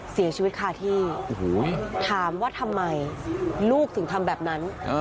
เสียชีวิตคาที่ถามว่าทำไมลูกถึงทำแบบนั้น